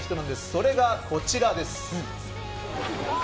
それがこちらです。